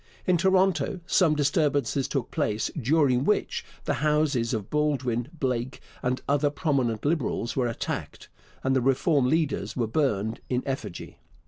In Toronto some disturbances took place, during which the houses of Baldwin, Blake, and other prominent Liberals were attacked, and the Reform leaders were burned in effigy.